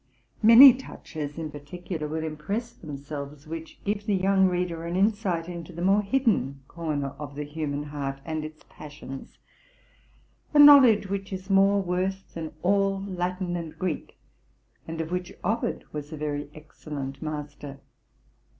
Many touches, in particular, will impress themselves, which give the young reader an insight into the more hidden corner of the human heart and its passions, —a knowledge which is more worth than all Latin and Greek, and of which Ovid was a very excellent master.